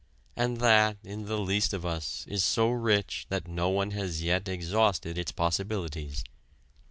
And that, in the least of us, is so rich that no one has yet exhausted its possibilities.